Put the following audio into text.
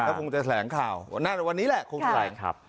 แล้วคงจะแสลงข่าววันนี้แหละคงแสลงครับ